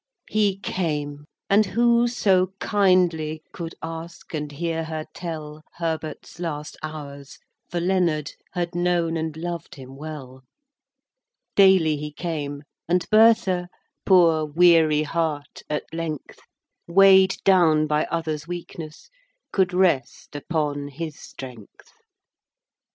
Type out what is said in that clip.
VI. He came. And who so kindly Could ask and hear her tell Herbert's last hours; for Leonard Had known and loved him well. Daily he came; and Bertha, Poor wear heart, at length, Weigh'd down by other's weakness, Could rest upon his strength. VII.